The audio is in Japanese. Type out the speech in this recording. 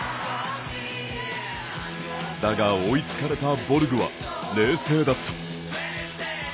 だが、追いつかれたボルグは冷静だった。